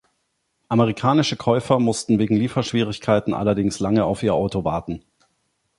Amerikanische Käufer mussten wegen Lieferschwierigkeiten allerdings lange auf ihr Auto warten.